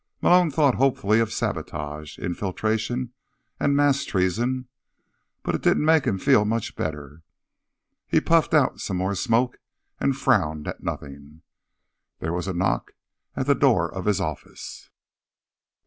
Malone thought hopefully of sabotage, infiltration and mass treason, but it didn't make him feel much better. He puffed out some more smoke and frowned at nothing. There was a knock at the door of his office.